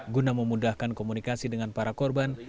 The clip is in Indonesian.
guna memudahkan komunikasi dengan para korban